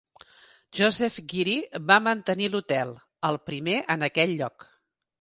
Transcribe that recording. Joseph Geary va mantenir l'hotel, el primer en aquell lloc.